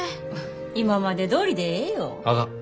今までどおりでええよ。あかん。